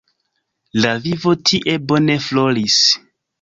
La vivo tie bone floris.